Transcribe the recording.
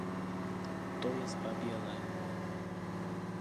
To je zbabělé.